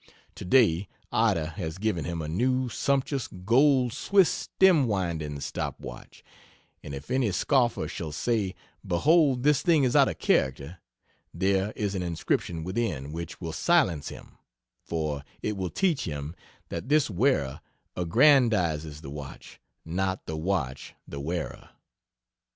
Today Ida has given him a new, sumptuous gold Swiss stem winding stop watch; and if any scoffer shall say, "Behold this thing is out of character," there is an inscription within, which will silence him; for it will teach him that this wearer aggrandizes the watch, not the watch the wearer.